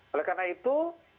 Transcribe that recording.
oleh karena itu